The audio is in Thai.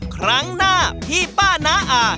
ครั้งหน้าพี่ป้าน้าอา